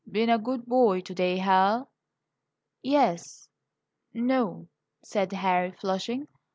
"Been a good boy today, Hal?" "Yes n o," said Harry, flushing.